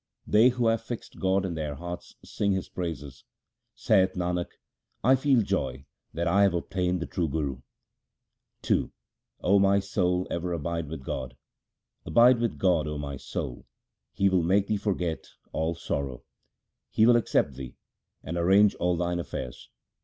They who have fixed God in their hearts sing His praises. Saith Nanak, I feel joy that I have obtained the True Guru. 1 The True Guru here means God. n8 THE SIKH RELIGION II O my soul, ever abide with God ; Abide with God, 0 my soul ; He will make thee forget all sorrow ; He will accept thee, and arrange all thine affairs.